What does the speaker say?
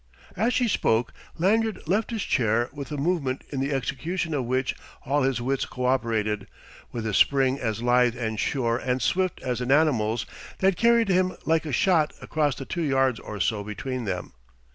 As she spoke, Lanyard left his chair with a movement in the execution of which all his wits co operated, with a spring as lithe and sure and swift as an animal's, that carried him like a shot across the two yards or so between them.